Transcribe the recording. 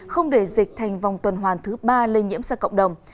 không để dịch thành vòng tuần hoàn thứ ba lây nhiễm ra cộng đồng